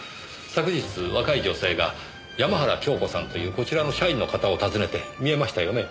昨日若い女性が山原京子さんというこちらの社員の方を訪ねてみえましたよね？